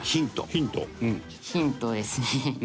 ヒントですね。